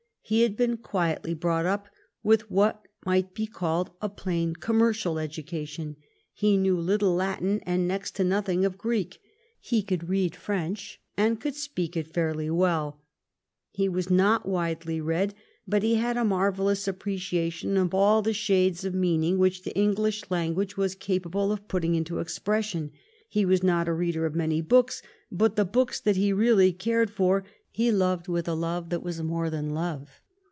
He had been quietly brought up, with what might be called a plain commercial education. He knew little of Latin, and next to nothing of Greek. He could read French, and could speak it fairly well. He was not widely read, but he had a marvellous appreciation of all the shades of mean 169 I70 THE STORY OF GLADSTONE'S LIFE ing which the English language was capable of putting into expression. He was not a reader of many books, but the books that he really cared for he "loved with a love that was more than love."